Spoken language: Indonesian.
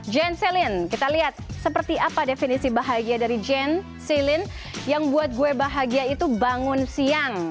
jen selin kita lihat seperti apa definisi bahagia dari jen selin yang buat gue bahagia itu bangun siang